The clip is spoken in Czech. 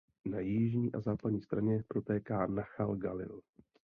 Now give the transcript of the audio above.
Na jižní a západní straně protéká Nachal Galil.